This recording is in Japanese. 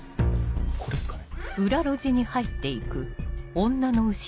これっすかね？